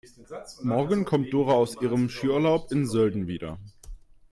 Morgen kommt Dora aus ihrem Skiurlaub in Sölden wieder.